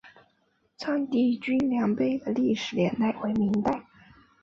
丈地均粮碑的历史年代为明代。